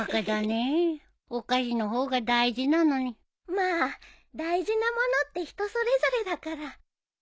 まあ大事なものって人それぞれだから。